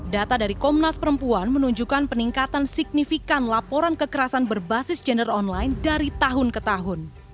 data dari komnas perempuan menunjukkan peningkatan signifikan laporan kekerasan berbasis gender online dari tahun ke tahun